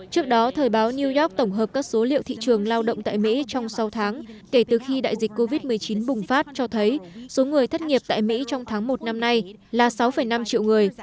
trước đó thời báo new york tổng hợp các số liệu thị trường lao động tại mỹ trong sáu tháng kể từ khi đại dịch covid một mươi chín bùng phát cho thấy số người thất nghiệp tại mỹ trong tháng một năm nay là sáu năm triệu người